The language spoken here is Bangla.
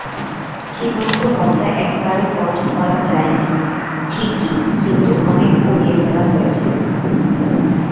সীমান্ত হত্যা একবারে বন্ধ করা যায়নি ঠিকই কিন্তু অনেক কমিয়ে ফেলা হয়েছে।